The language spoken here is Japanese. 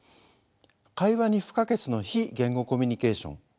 会話に不可欠の非言語コミュニケーション。